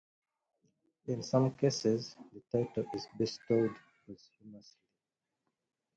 In some cases, the title is bestowed posthumously.